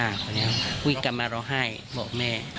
พอแล้วคุยกันมาเราให้บอกแม่